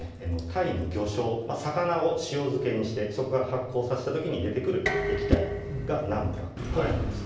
タイの魚醤魚を塩漬けにしてそこから発酵させた時に出てくる液体がナンプラーとなります